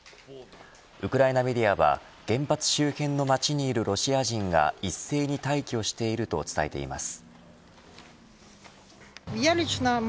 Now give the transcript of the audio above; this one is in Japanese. ウクライナメディアは原発周辺の街にいるロシア人が一斉に退去していると伝えています。